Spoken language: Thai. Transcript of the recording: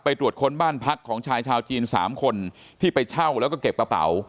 ตรวจค้นบ้านพักของชายชาวจีน๓คนที่ไปเช่าแล้วก็เก็บกระเป๋า